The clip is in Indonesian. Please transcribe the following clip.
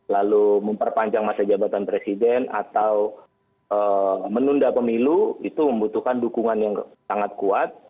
lalu memperpanjang masa jabatan presiden atau menunda pemilu itu membutuhkan dukungan yang sangat kuat